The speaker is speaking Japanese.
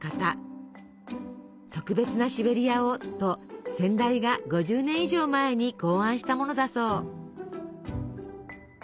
「特別なシベリアを」と先代が５０年以上前に考案したものだそう。